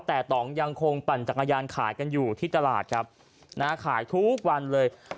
แต่ต่องยังคงปั่นจักรยานขายกันอยู่ที่ตลาดครับนะฮะขายทุกวันเลย